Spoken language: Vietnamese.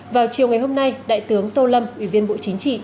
vào chiều ngày hôm nay đại tướng tô lâm ủy viên bộ chính trị